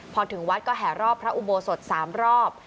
พอถึงวัดก็แห่รอบพระอุโบสถ๓รอบ